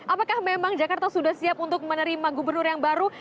apakah memang jakarta sudah siap untuk menerima gubernur yang baru